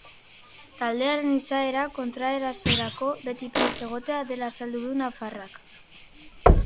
Taldearen izaera kontraerasorako beti prest egotea dela azaldu du nafarrak.